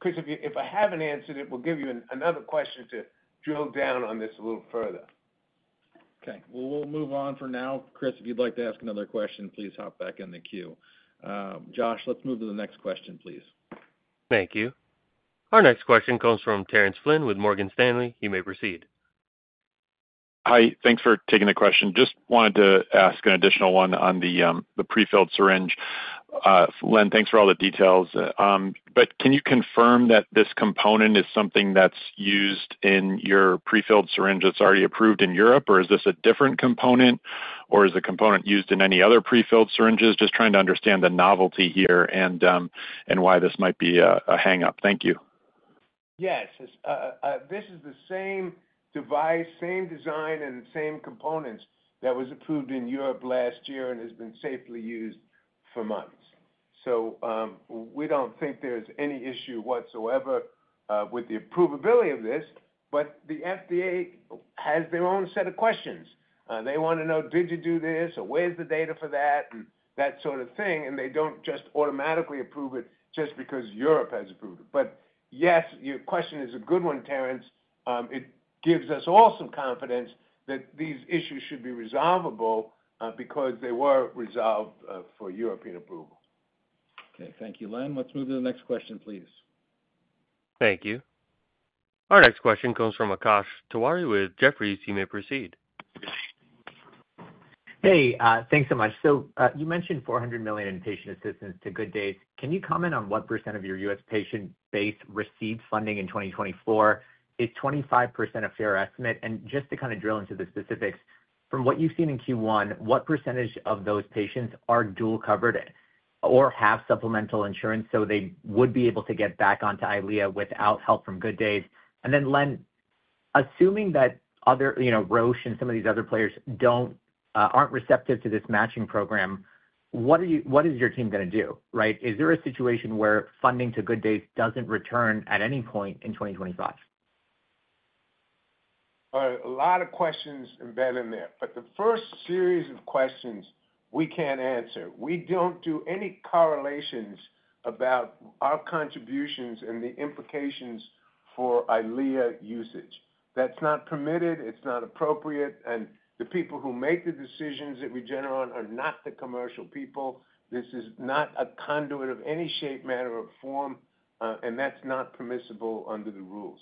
Chris, if I haven't answered it, we'll give you another question to drill down on this a little further. Okay. We'll move on for now. Chris, if you'd like to ask another question, please hop back in the queue. Josh, let's move to the next question, please. Thank you. Our next question comes from Terence Flynn with Morgan Stanley. You may proceed. Hi. Thanks for taking the question. Just wanted to ask an additional one on the prefilled syringe. Len, thanks for all the details. Can you confirm that this component is something that's used in your prefilled syringe that's already approved in Europe, or is this a different component, or is the component used in any other prefilled syringes? Just trying to understand the novelty here and why this might be a hang-up. Thank you. Yes. This is the same device, same design, and same components that was approved in Europe last year and has been safely used for months. We do not think there is any issue whatsoever with the approvability of this. The FDA has their own set of questions. They want to know, "Did you do this?" or, "Where is the data for that?" and that sort of thing. They do not just automatically approve it just because Europe has approved it. Yes, your question is a good one, Terrence. It gives us all some confidence that these issues should be resolvable because they were resolved for European approval. Okay. Thank you, Len. Let's move to the next question, please. Thank you. Our next question comes from Akash Tewari with Jefferies. You may proceed. Hey. Thanks so much. You mentioned $400 million in patient assistance to Good Days. Can you comment on what percentage of your U.S. patient base received funding in 2024? Is 25% a fair estimate? Just to kind of drill into the specifics, from what you've seen in Q1, what percentage of those patients are dual covered or have supplemental insurance so they would be able to get back onto EYLEA without help from Good Days? Len, assuming that Roche and some of these other players are not receptive to this matching program, what is your team going to do, right? Is there a situation where funding to Good Days does not return at any point in 2025? All right. A lot of questions embedded in there. The first series of questions we can't answer. We don't do any correlations about our contributions and the implications for EYLEA usage. That's not permitted. It's not appropriate. The people who make the decisions at Regeneron are not the commercial people. This is not a conduit of any shape, manner, or form, and that's not permissible under the rules.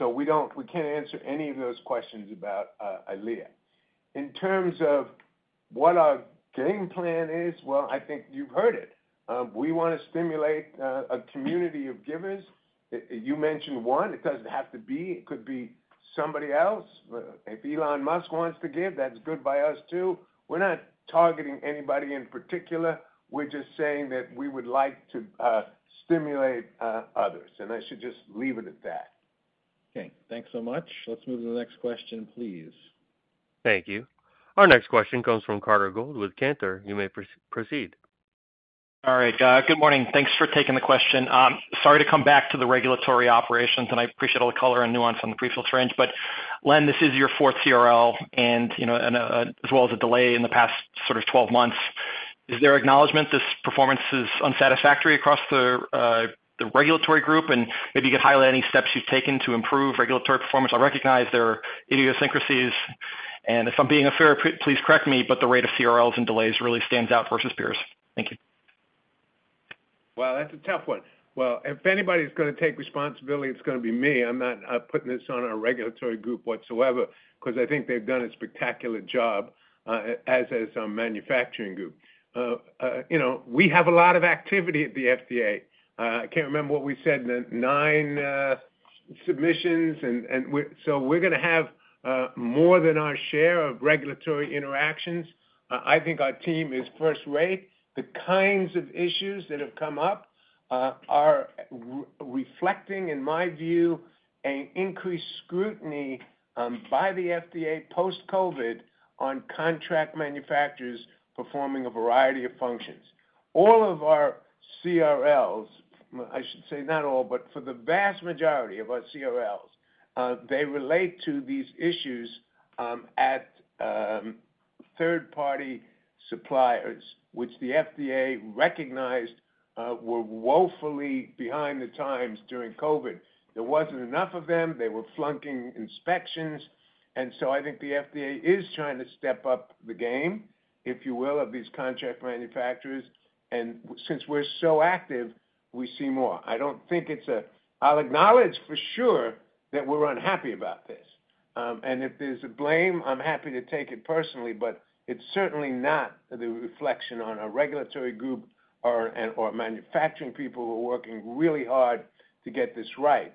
We can't answer any of those questions about EYLEA. In terms of what our game plan is, I think you've heard it. We want to stimulate a community of givers. You mentioned one. It doesn't have to be. It could be somebody else. If Elon Musk wants to give, that's good by us too. We're not targeting anybody in particular. We're just saying that we would like to stimulate others. I should just leave it at that. Okay. Thanks so much. Let's move to the next question, please. Thank you. Our next question comes from Carter Gould with Cantor. You may proceed. All right. Good morning. Thanks for taking the question. Sorry to come back to the regulatory operations, and I appreciate all the color and nuance on the prefilled syringe. Len, this is your fourth CRL, as well as a delay in the past sort of 12 months. Is there acknowledgment this performance is unsatisfactory across the regulatory group? Maybe you could highlight any steps you've taken to improve regulatory performance. I recognize there are idiosyncrasies, and if I'm being fair please correct me, but the rate of CRLs and delays really stands out versus peers. Thank you. That's a tough one. If anybody's going to take responsibility, it's going to be me. I'm not putting this on our regulatory group whatsoever because I think they've done a spectacular job, as has our manufacturing group. We have a lot of activity at the FDA. I can't remember what we said, nine submissions. We are going to have more than our share of regulatory interactions. I think our team is first rate. The kinds of issues that have come up are reflecting, in my view, an increased scrutiny by the FDA post-COVID on contract manufacturers performing a variety of functions. All of our CRLs, I should say not all, but for the vast majority of our CRLs, they relate to these issues at third-party suppliers, which the FDA recognized were woefully behind the times during COVID. There wasn't enough of them. They were flunking inspections. I think the FDA is trying to step up the game, if you will, of these contract manufacturers. Since we're so active, we see more. I don't think it's a I'll acknowledge for sure that we're unhappy about this. If there's a blame, I'm happy to take it personally. It is certainly not the reflection on our regulatory group or manufacturing people who are working really hard to get this right.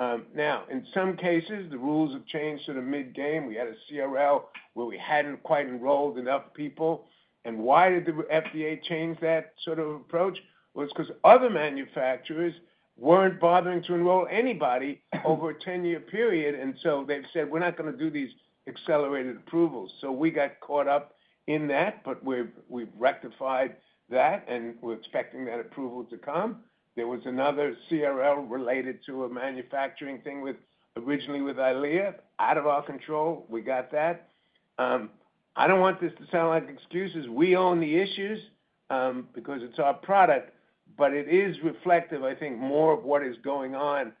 In some cases, the rules have changed sort of mid-game. We had a CRL where we hadn't quite enrolled enough people. Why did the FDA change that sort of approach? It is because other manufacturers weren't bothering to enroll anybody over a 10-year period. They've said, "We're not going to do these accelerated approvals." We got caught up in that, but we've rectified that, and we're expecting that approval to come. There was another CRL related to a manufacturing thing originally with EYLEA. Out of our control. We got that. I don't want this to sound like excuses. We own the issues because it's our product. It is reflective, I think, more of what is going on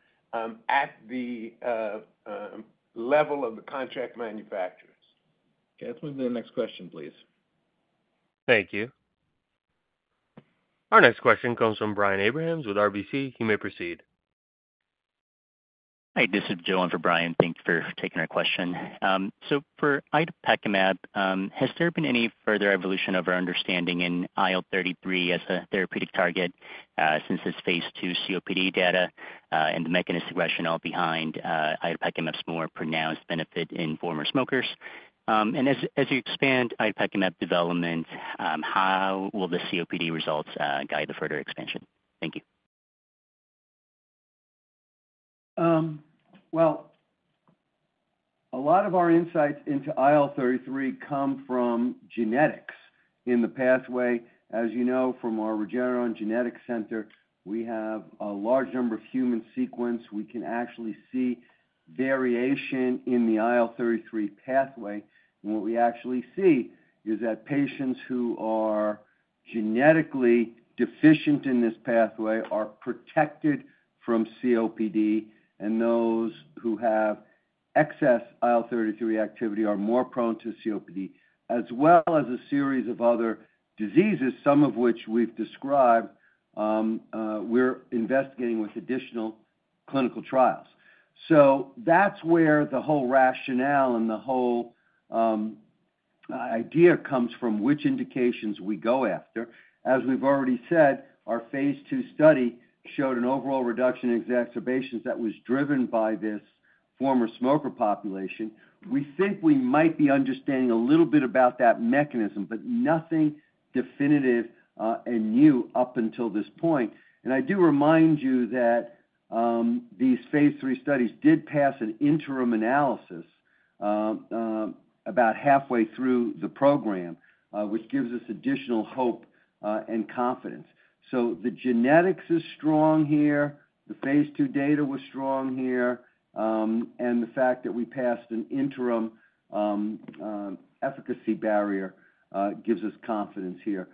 at the level of the contract manufacturers. Okay. Let's move to the next question, please. Thank you. Our next question comes from Brian Abrahams with RBC. You may proceed. Hi. This is Joan for Brian. Thank you for taking our question. For itepekimab, has there been any further evolution of our understanding in IL-33 as a therapeutic target since its phase II COPD data and the mechanistic rationale behind itepekimab's more pronounced benefit in former smokers? As you expand itepekimab development, how will the COPD results guide the further expansion? Thank you. A lot of our insights into IL-33 come from genetics. In the pathway, as you know, from our Regeneron Genetics Center, we have a large number of human sequence. We can actually see variation in the IL-33 pathway. What we actually see is that patients who are genetically deficient in this pathway are protected from COPD, and those who have excess IL-33 activity are more prone to COPD, as well as a series of other diseases, some of which we've described. We're investigating with additional clinical trials. That's where the whole rationale and the whole idea comes from, which indications we go after. As we've already said, our phase II study showed an overall reduction in exacerbations that was driven by this former smoker population. We think we might be understanding a little bit about that mechanism, but nothing definitive and new up until this point. I do remind you that these phase three studies did pass an interim analysis about halfway through the program, which gives us additional hope and confidence. The genetics is strong here. The phase II data was strong here. The fact that we passed an interim efficacy barrier gives us confidence here.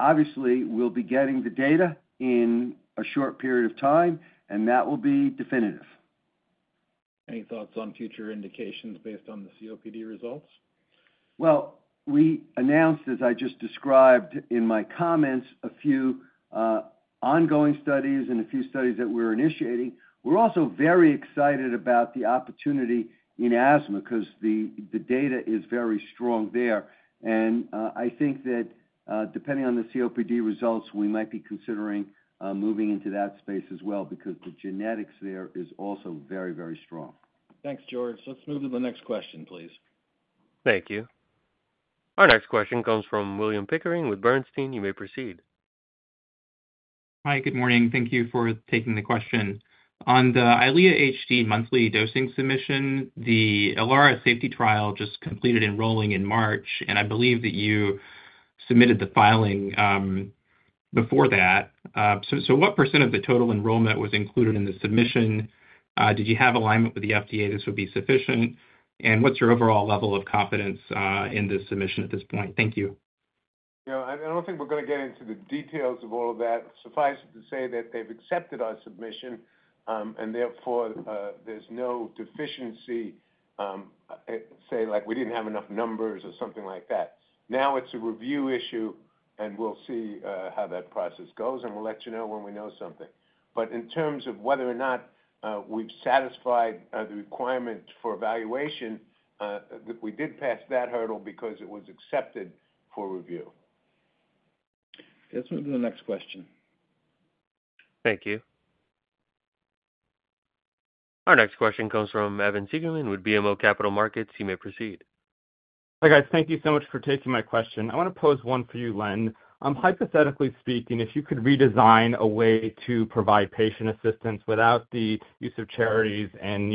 Obviously, we'll be getting the data in a short period of time, and that will be definitive. Any thoughts on future indications based on the COPD results? We announced, as I just described in my comments, a few ongoing studies and a few studies that we're initiating. We're also very excited about the opportunity in asthma because the data is very strong there. I think that depending on the COPD results, we might be considering moving into that space as well because the genetics there is also very, very strong. Thanks, George. Let's move to the next question, please. Thank you. Our next question comes from William Pickering with Bernstein. You may proceed. Hi. Good morning. Thank you for taking the question. On the EYLEA HD monthly dosing submission, the LRS safety trial just completed enrolling in March, and I believe that you submitted the filing before that. What percentage of the total enrollment was included in the submission? Did you have alignment with the FDA that this would be sufficient? What's your overall level of confidence in this submission at this point? Thank you. I don't think we're going to get into the details of all of that. Suffice it to say that they've accepted our submission, and therefore, there's no deficiency, say, like we didn't have enough numbers or something like that. Now it's a review issue, and we'll see how that process goes, and we'll let you know when we know something. In terms of whether or not we've satisfied the requirement for evaluation, we did pass that hurdle because it was accepted for review. Okay. Let's move to the next question. Thank you. Our next question comes from Evan Siegelman with BMO Capital Markets. You may proceed. Hi, guys. Thank you so much for taking my question. I want to pose one for you, Len. Hypothetically speaking, if you could redesign a way to provide patient assistance without the use of charities and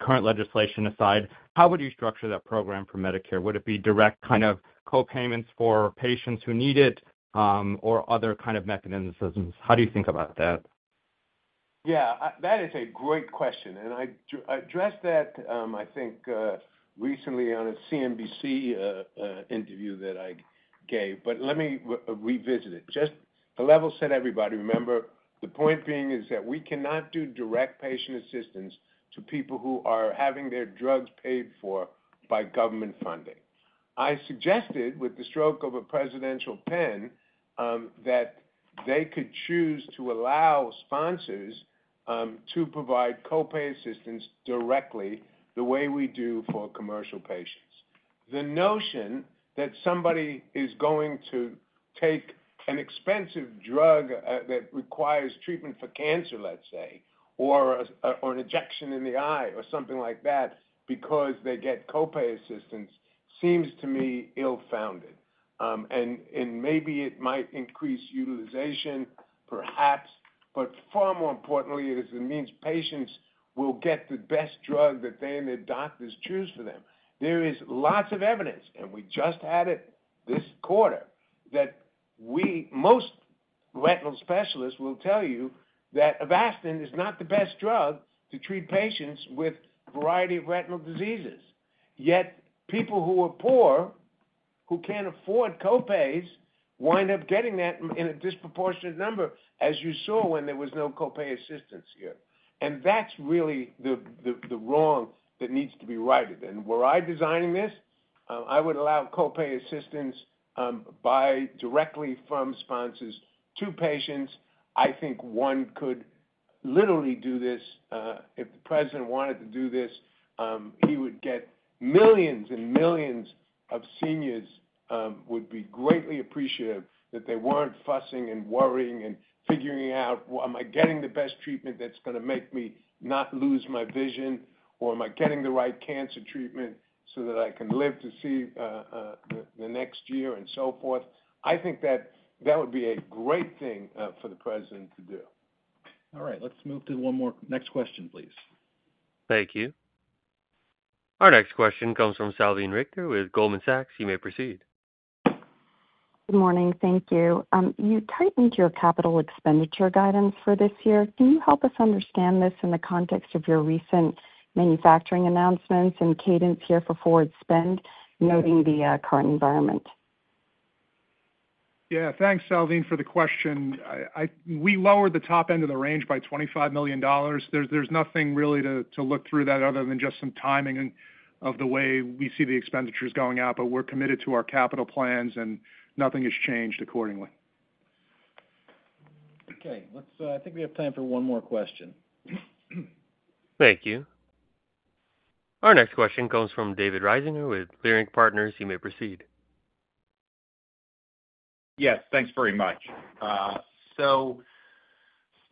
current legislation aside, how would you structure that program for Medicare? Would it be direct kind of co-payments for patients who need it or other kind of mechanisms? How do you think about that? Yeah. That is a great question. I addressed that, I think, recently on a CNBC interview that I gave. Let me revisit it. Just to level set everybody, remember? The point being is that we cannot do direct patient assistance to people who are having their drugs paid for by government funding. I suggested, with the stroke of a presidential pen, that they could choose to allow sponsors to provide co-pay assistance directly the way we do for commercial patients. The notion that somebody is going to take an expensive drug that requires treatment for cancer, let's say, or an injection in the eye or something like that because they get co-pay assistance seems to me ill-founded. Maybe it might increase utilization, perhaps. Far more importantly, it is the means patients will get the best drug that they and their doctors choose for them. There is lots of evidence, and we just had it this quarter, that most retinal specialists will tell you that Avastin is not the best drug to treat patients with a variety of retinal diseases. Yet people who are poor, who can't afford co-pays, wind up getting that in a disproportionate number, as you saw when there was no co-pay assistance here. That's really the wrong that needs to be righted. Were I designing this, I would allow co-pay assistance directly from sponsors to patients. I think one could literally do this. If the president wanted to do this, he would get millions and millions of seniors. Would be greatly appreciative that they were not fussing and worrying and figuring out, "Am I getting the best treatment that is going to make me not lose my vision?" or, "Am I getting the right cancer treatment so that I can live to see the next year?" and so forth. I think that that would be a great thing for the president to do. All right. Let's move to one more next question, please. Thank you. Our next question comes from Salveen Richter with Goldman Sachs. You may proceed. Good morning. Thank you. You tightened your capital expenditure guidance for this year. Can you help us understand this in the context of your recent manufacturing announcements and cadence here for forward spend, noting the current environment? Yeah. Thanks, Salveen, for the question. We lowered the top end of the range by $25 million. There is nothing really to look through that other than just some timing of the way we see the expenditures going out. We are committed to our capital plans, and nothing has changed accordingly. Okay. I think we have time for one more question. Thank you. Our next question comes from David Risinger with Leerink Partners. You may proceed. Yes. Thanks very much.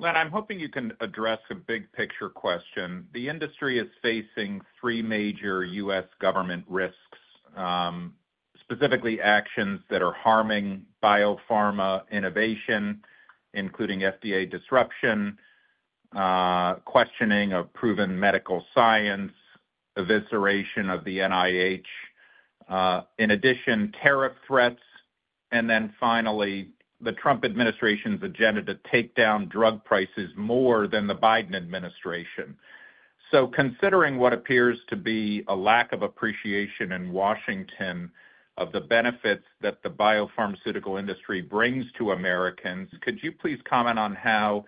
Len, I'm hoping you can address a big-picture question. The industry is facing three major U.S. government risks, specifically actions that are harming biopharma innovation, including FDA disruption, questioning of proven medical science, evisceration of the NIH, in addition, tariff threats, and then finally, the Trump administration's agenda to take down drug prices more than the Biden administration. Considering what appears to be a lack of appreciation in Washington of the benefits that the biopharmaceutical industry brings to Americans, could you please comment on how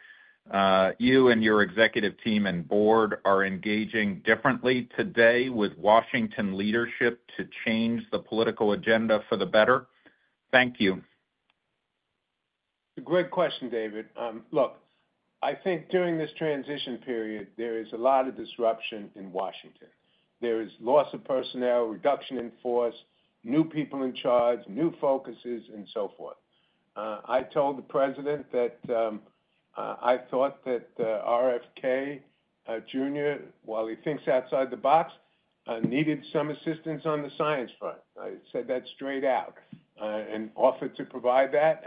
you and your executive team and board are engaging differently today with Washington leadership to change the political agenda for the better? Thank you. It's a great question, David. Look, I think during this transition period, there is a lot of disruption in Washington. There is loss of personnel, reduction in force, new people in charge, new focuses, and so forth. I told the president that I thought that RFK Jr., while he thinks outside the box, needed some assistance on the science front. I said that straight out and offered to provide that.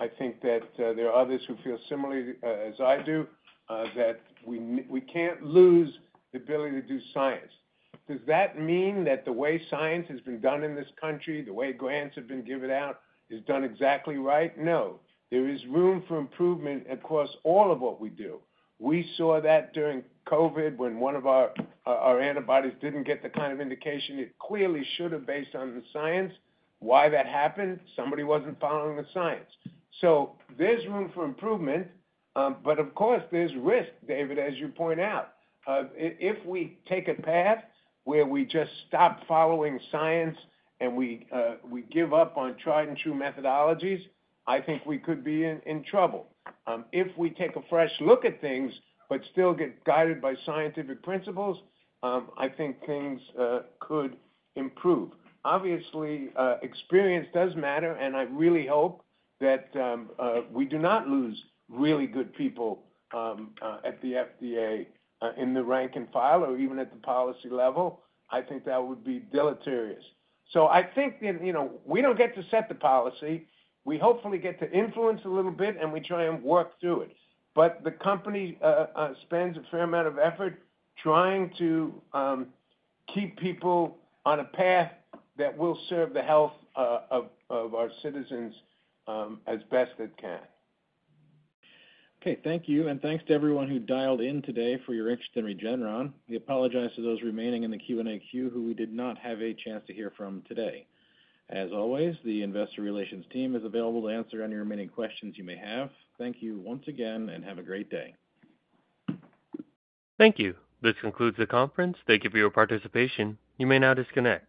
I think that there are others who feel similarly as I do that we can't lose the ability to do science. Does that mean that the way science has been done in this country, the way grants have been given out, is done exactly right? No. There is room for improvement across all of what we do. We saw that during COVID when one of our antibodies did not get the kind of indication it clearly should have based on the science. Why that happened? Somebody was not following the science. There is room for improvement. Of course, there is risk, David, as you point out. If we take a path where we just stop following science and we give up on tried-and-true methodologies, I think we could be in trouble. If we take a fresh look at things but still get guided by scientific principles, I think things could improve. Obviously, experience does matter, and I really hope that we do not lose really good people at the FDA in the rank and file or even at the policy level. I think that would be deleterious. I think we do not get to set the policy. We hopefully get to influence a little bit, and we try and work through it. The company spends a fair amount of effort trying to keep people on a path that will serve the health of our citizens as best it can. Okay. Thank you. Thank you to everyone who dialed in today for your interest in Regeneron. We apologize to those remaining in the Q&A queue who we did not have a chance to hear from today. As always, the investor relations team is available to answer any remaining questions you may have. Thank you once again, and have a great day. Thank you. This concludes the conference. Thank you for your participation. You may now disconnect.